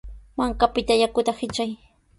Mankapita yakuta hitray.